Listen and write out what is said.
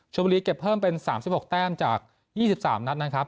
บุรีเก็บเพิ่มเป็น๓๖แต้มจาก๒๓นัดนะครับ